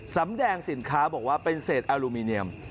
แสดงสินค้าบอกว่าเป็นเศษอลูมิเนียม